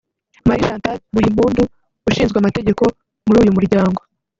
Marie Chantal Muhimpundu ushinzwe amategeko muri uyu muryango